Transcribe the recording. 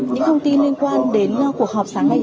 những thông tin liên quan đến cuộc họp sáng nay